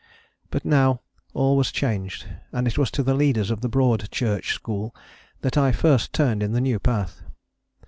But now all was changed, and it was to the leaders of the Broad Church school that I first turned in the new path.